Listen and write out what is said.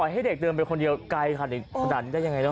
ปล่อยให้เด็กเดินไปคนเดียวไกลคันอีกขนาดนี้ได้อย่างไรหรือ